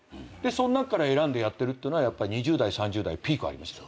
その中から選んでやってるってのはやっぱり２０代３０代ピークあります。